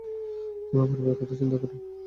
তোমার পরিবারের কথা চিন্তা করো!